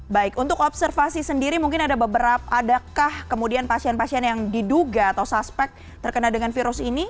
baik untuk observasi sendiri mungkin ada beberapa adakah kemudian pasien pasien yang diduga atau suspek terkena dengan virus ini